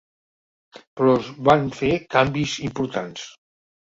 Però es van fer canvis importants.